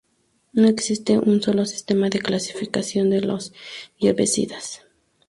No existe un solo sistema de clasificación de los herbicidas.